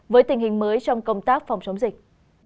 với tình hình mới trong công tác phòng chống dịch